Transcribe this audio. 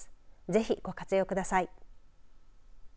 ぜひ、ご活用ください。